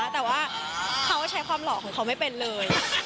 แต่ว่าเขาก็ใช้ความหล่อของเขาไม่เป็นเลย